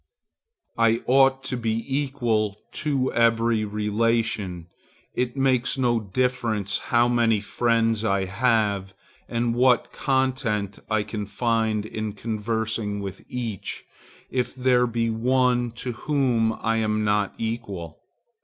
I ought to be equal to every relation. It makes no difference how many friends I have and what content I can find in conversing with each, if there be one to whom I am not equal.